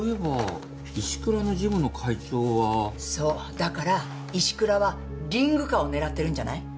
だから石倉はリング禍を狙ってるんじゃない？